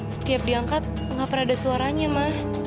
setiap diangkat gak pernah ada suaranya mah